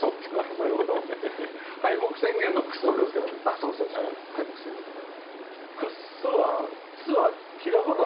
そうそうそう敗北宣言これ。